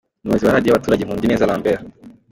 Umuyobozi wa Radiyo y’abaturage, Nkundineza Lambert.